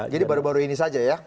jadi baru baru ini saja ya